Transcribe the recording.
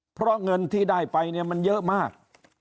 เพราะเงินที่ได้ไปเนี่ยมันเยอะมาก